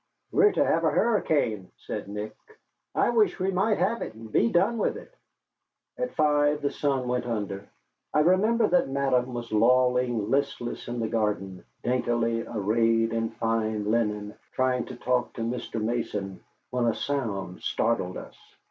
"We're to have a hurricane," said Nick. "I wish we might have it and be done with it." At five the sun went under. I remember that Madame was lolling listless in the garden, daintily arrayed in fine linen, trying to talk to Mr. Mason, when a sound startled us.